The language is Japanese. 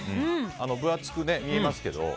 分厚く見えますけど。